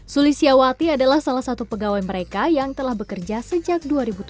sully siawati adalah salah satu pegawai mereka yang telah bekerja sejak dua ribu tujuh